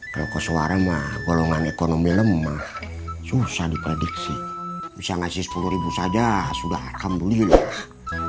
kerokok suara mah golongan ekonomi lemah susah diprediksi bisa ngasih sepuluh ribu saja sudah alhamdulillah